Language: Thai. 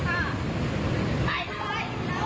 ตอนนี้ก็ไม่มีคนเข้ามาไม่มีคนเข้ามา